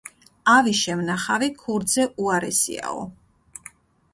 ავი შემნახავი ქურდზე უარესიაო.